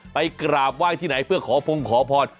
ไปกราบไหว้ที่ไหนเพื่อขอพงขอพร